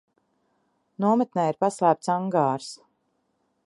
Nometnē ir paslēpts angārs.